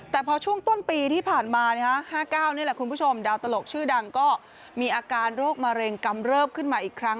แต่พอช่วงต้นปีที่ผ่านมา๕๙นี่แหละคุณผู้ชมดาวตลกชื่อดังก็มีอาการโรคมะเร็งกำเริบขึ้นมาอีกครั้ง